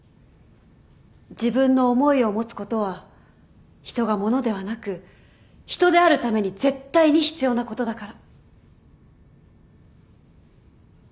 自分の思いを持つことは人が物ではなく人であるために絶対に必要なことだから。